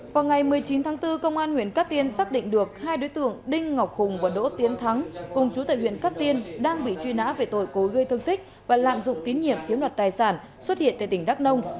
vào ngày một mươi chín tháng bốn công an huyện cát tiên xác định được hai đối tượng đinh ngọc hùng và đỗ tiến thắng cùng chú tại huyện cát tiên đang bị truy nã về tội cối gây thương tích và lạm dụng tín nhiệm chiếm đoạt tài sản xuất hiện tại tỉnh đắk nông